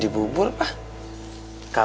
pergi kah